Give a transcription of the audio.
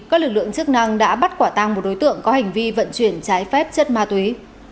các lực lượng chức năng đã bắt quả tang một đối tượng có hành vi vận chuyển trái phép chất ma túy